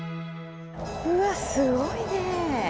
うわすごいね。